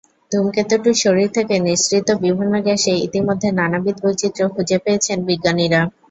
ধূমকেতুটির শরীর থেকে নিঃসৃত বিভিন্ন গ্যাসে ইতিমধ্যে নানাবিধ বৈচিত্র্য খুঁজে পেয়েছেন বিজ্ঞানীরা।